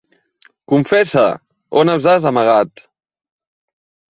Confessa: on els has amagat?